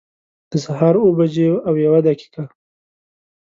د سهار اوه بجي او یوه دقيقه